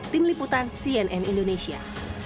tim liputan cnn indonesia